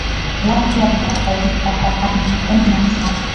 yake ya kimataifa Katika karne ya kumi na tano